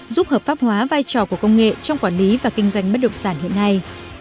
giúp hợp pháp hóa vai trò của công nghệ trong quản lý và kinh doanh bất động sản hiện nay